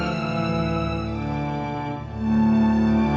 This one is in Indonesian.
tapi kamu pasti setia